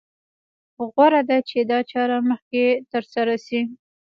غوره ده چې دا چاره مخکې تر سره شي.